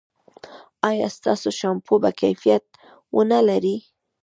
ایا ستاسو شامپو به کیفیت و نه لري؟